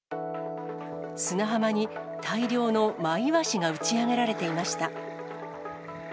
砂浜に、大量のマイワシが打ち上げられていました。